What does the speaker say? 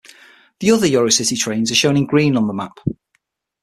The other EuroCity trains are shown in green on the map.